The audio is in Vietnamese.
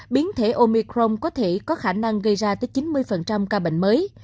biến thể omicron có thể có khả năng gây ra tới chín mươi ca bệnh mới